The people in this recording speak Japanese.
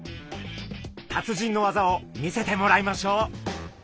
達人の技を見せてもらいましょう。